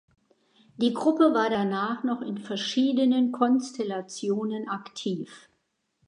Die Gruppe war danach noch in verschiedenen Konstellationen aktiv.